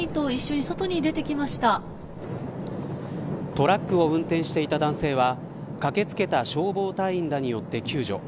トラックを運転していた男性は駆け付けた消防隊員らによって救助。